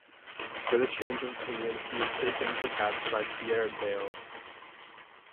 For this change of opinion he is taken to task by Pierre Bayle.